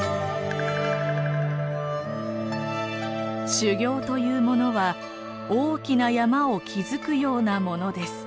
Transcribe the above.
「修行というものは大きな山を築くようなものです」。